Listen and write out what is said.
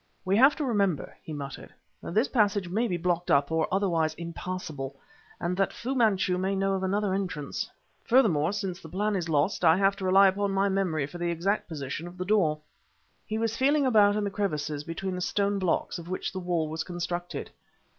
"We have to remember," he muttered, "that this passage may be blocked up or otherwise impassable, and that Fu Manchu may know of another entrance. Furthermore, since the plan is lost, I have to rely upon my memory for the exact position of the door." He was feeling about in the crevices between the stone blocks of which the wall was constructed.